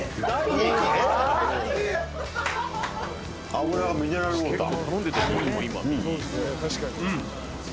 脂がミネラルウオーター。